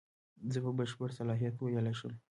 زه په بشپړ صلاحیت ویلای شم.